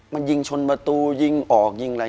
มันยิงชนประตูยิงออกยิงอะไร